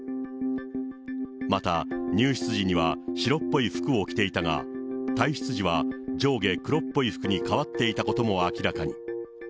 また、入室時には白っぽい服を着ていたが、退室時は上下黒っぽい服に変わっていたことも明らかに。